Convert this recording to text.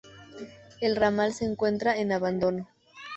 El ramal se encuentra en abandono.